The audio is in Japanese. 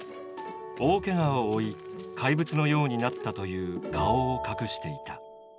大けがを負い怪物のようになったという顔を隠していた。